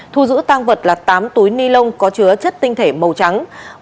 thu giữ tang vật là tám túi ni lông có chứa chất tinh thể màu trắng